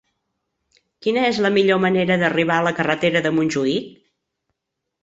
Quina és la millor manera d'arribar a la carretera de Montjuïc?